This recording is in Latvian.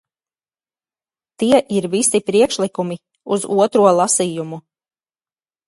Tie ir visi priekšlikumu uz otro lasījumu.